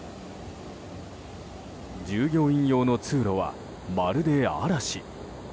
従業員用の通路は、まるで嵐。